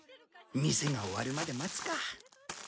店が終わるまで待つか。